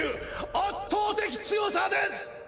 圧倒的強さです！！